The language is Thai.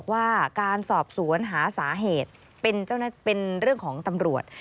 ว่าการสอบสวนหาสาเหตุเป็นเรื่องของตำรวจ